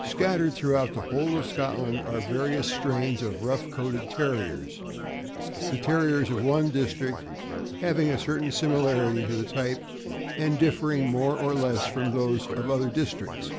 Scattered throughout the whole of Scotland are various strains of rough coated Terriers, the Terriers of one district having a certain similarity of type and differing more or less from those of other districts.